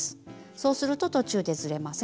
そうすると途中でずれません。